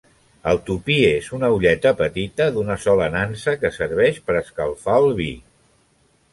El tupí és una olleta petita d’una sola nansa que serveix per escalfar el vi.